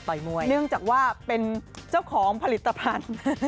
มวยเนื่องจากว่าเป็นเจ้าของผลิตภัณฑ์